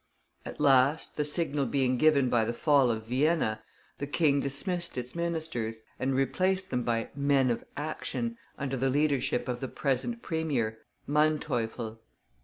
At last, the signal being given by the fall of Vienna, the King dismissed its ministers, and replaced them by "men of action," under the leadership of the present premier, Manteuffel.